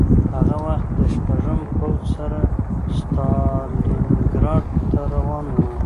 هغه وخت دی د شپږم پوځ سره ستالینګراډ ته روان و